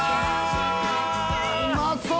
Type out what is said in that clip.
うまそう！